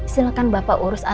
silahkan bapak uruskan